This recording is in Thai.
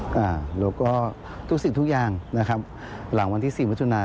แล้วก็ทุกสิทธิ์ทุกอย่างนะครับหลังวันที่๔มิถุนา